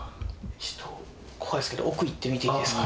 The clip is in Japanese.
ちょっと怖いですけど奥行ってみていいですか？